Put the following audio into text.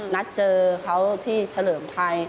นัดเจอเขาที่เฉลิมไทย